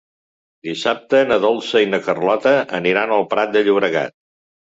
Dissabte na Dolça i na Carlota aniran al Prat de Llobregat.